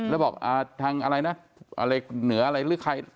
แล้วบอกทางอะไรนะอะไรเหนืออะไรหรือใคร